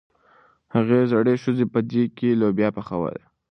هغې زړې ښځې په دېګ کې لوبیا پخولې.